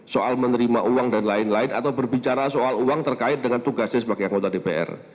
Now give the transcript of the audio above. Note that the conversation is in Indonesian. soal menerima uang dan lain lain atau berbicara soal uang terkait dengan tugasnya sebagai anggota dpr